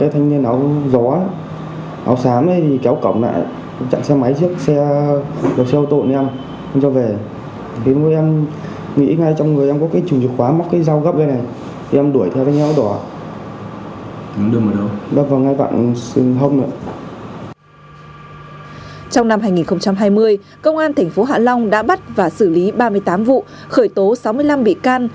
trong năm hai nghìn hai mươi công an tp hạ long đã bắt và xử lý ba mươi tám vụ khởi tố sáu mươi năm bị can